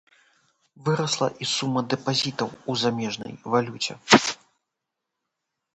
Вырасла і сума дэпазітаў у замежнай валюце.